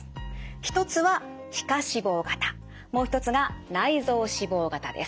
一つは皮下脂肪型もう一つが内臓脂肪型です。